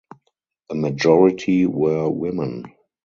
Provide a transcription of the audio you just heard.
A majority were women.